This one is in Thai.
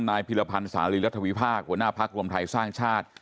พิรพันธ์สาลีรัฐวิพากษ์หัวหน้าพักรวมไทยสร้างชาติ